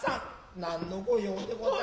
何の御用でござんす。